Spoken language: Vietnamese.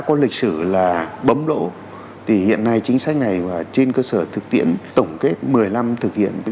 có lịch sử là bấm lỗ thì hiện nay chính sách này và trên cơ sở thực tiễn tổng kết một mươi năm thực hiện